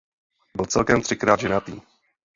Byl celkem třikrát ženatý.